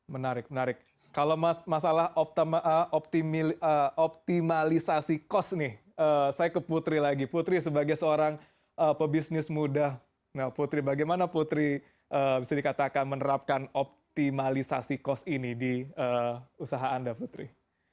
menarik menarik kalau masalah optimalisasi kos nih saya ke putri lagi putri sebagai seorang pebisnis muda putri bagaimana putri bisa dikatakan menerapkan optimalisasi kos ini di usaha anda putri